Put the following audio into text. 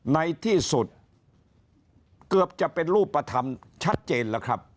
ในที่สุดเกือบจะเป็นรูปธรรมชัดเจนแล้วครับ